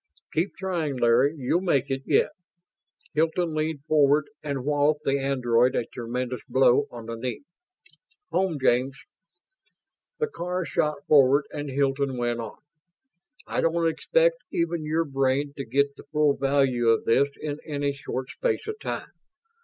"Keep trying, Larry, you'll make it yet!" Hilton leaned forward and walloped the android a tremendous blow on the knee. "Home, James!" The car shot forward and Hilton went on: "I don't expect even your brain to get the full value of this in any short space of time.